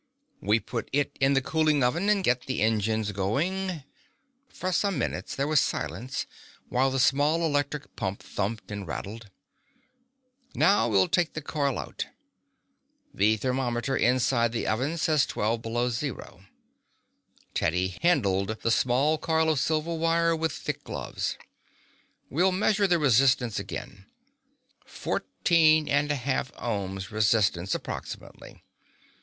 We put it in the cooling oven and set the engines going " For some minutes there was silence while the small electric pump thumped and rattled. "Now we'll take the coil out. The thermometer inside the oven says twelve below zero." Teddy handled the small coil of silver wire with thick gloves. "We'll measure the resistance again. Fourteen and a half ohms resistance, approximately.